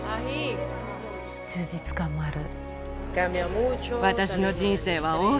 充実感もある。